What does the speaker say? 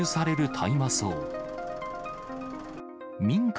大麻草。